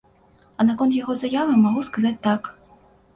А наконт яго заявы магу сказаць так.